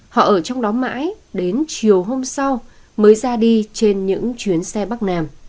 họ ở trong đó mãi đến chiều hôm sau mới ra đi trên những chuyến xe bắc nam